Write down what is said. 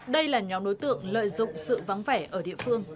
đây là nhóm đối tượng lợi dụng sự vắng vẻ ở địa phương